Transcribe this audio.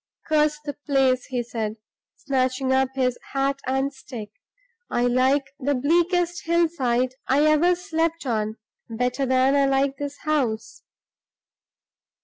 "Curse the place!" he said, snatching up his hat and stick. "I like the bleakest hillside I ever slept on better than I like this house!"